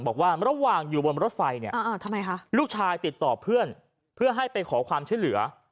บอกว่าระหว่างอยู่บนรถไฟเนี่ยลูกชายติดต่อเพื่อนเพื่อให้ไปขอความช่วยเหลือ